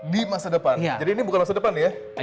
di masa depan jadi ini bukan masa depan ya